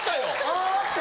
「あっ！」って。